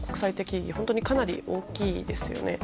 それも本当にかなり大きいですよね。